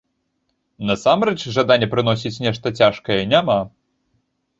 Насамрэч, жадання прыўносіць нешта цяжкае няма.